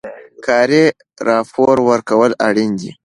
کاري راپور ورکول اړین دي